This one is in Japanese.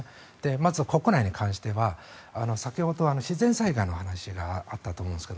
まず国内に関しては先ほど、自然災害の話があったと思うんですが